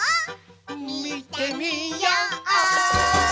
みてみよ！